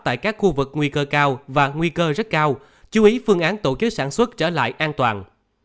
tại các khu vực nguy cơ cao và nguy cơ rất cao chú ý phương án tổ chức sản xuất trở lại an toàn